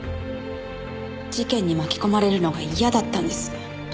事件に巻き込まれるのが嫌だったんです。